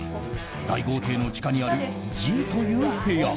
大豪邸の地下にあるＧという部屋。